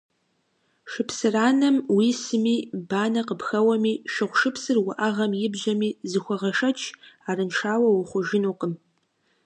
Шыпсыранэм уисми, банэ къыпхэуэми, шыгъушыпсыр уӏэгъэм ибжьэми, зыхуэгъэшэч, арыншауэ ухъужынукъым.